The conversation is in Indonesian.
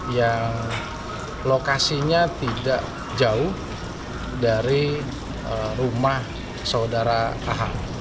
yang lokasinya tidak jauh dari rumah saudara ah